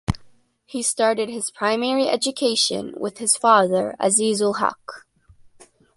He started his primary education with his father Azizul Haque.